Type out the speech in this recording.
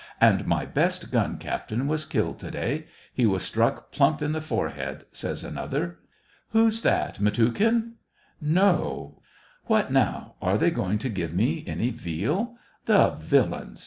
"And my best gun captain was killed to day ; he was struck plump in the forehead," says another. " Who's that } Mitiukhin }" "No !... What now, are they going to give me any veal ? the villains